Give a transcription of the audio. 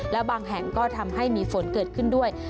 และบางแห่งก็ทำให้มีฝนเกิดขึ้นด้วย